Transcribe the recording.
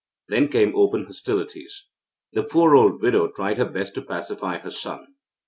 Then came open hostilities. The poor old widow tried her best to pacify her son.